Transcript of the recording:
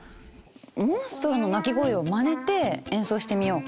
モンストロの鳴き声をまねて演奏してみよう。